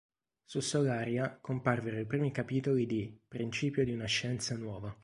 Su Solaria comparvero i primi capitoli di "Principio di una scienza nuova".